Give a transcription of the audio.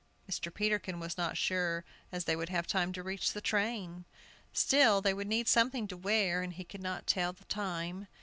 Mr. Peterkin was not sure as they would have time to reach the train. Still, they would need something to wear, and he could not tell the time.